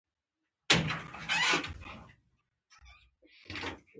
هغه زیاته کړه: